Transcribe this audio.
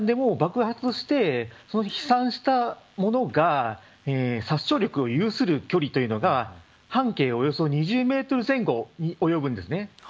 手りゅう弾でも爆発して飛散したものが殺傷力を有する距離というのが半径およそ２０メートル前後に及ぶんです。